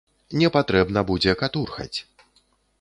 Не патрэбна будзе катурхаць.